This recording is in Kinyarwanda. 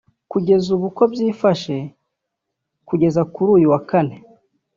Kugeza ubu uko byifashe kugeza kuri uyu kane